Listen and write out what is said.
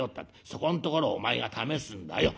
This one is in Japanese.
そこんところをお前が試すんだよ」。